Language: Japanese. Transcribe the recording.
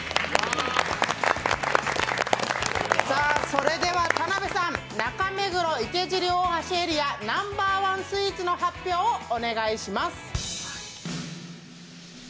それでは田辺さん、中目黒・池尻大橋エリアナンバーワンスイーツの発表をお願いします。